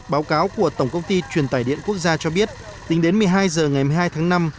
báo cáo của tổng công ty truyền tải điện quốc gia cho biết tính đến một mươi hai h ngày một mươi hai tháng năm